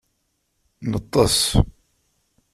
Neṭṭes.